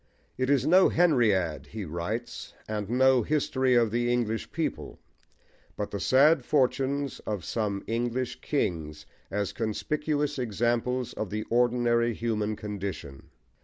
It is no Henriade he writes, and no history of the English people, but the sad fortunes of some English kings as conspicuous examples of the ordinary human condition.